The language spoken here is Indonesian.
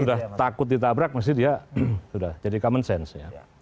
sudah takut ditabrak jadi common sense